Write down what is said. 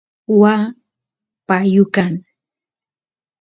waa payu kan